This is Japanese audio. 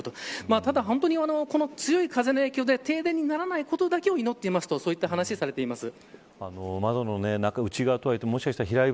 ただ、本当に強い風の影響で停電にならないことだけを祈っていると話されていました。